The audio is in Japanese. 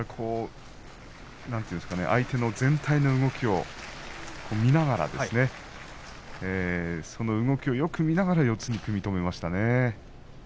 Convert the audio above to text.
相手の全体の動きを見ながらよく見ながら四つに組み止めましたね。